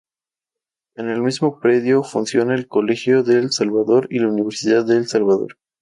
En el mismo predio funciona el Colegio del Salvador y la Universidad del Salvador.